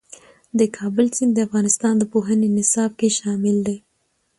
د کابل سیند د افغانستان د پوهنې نصاب کې شامل دی.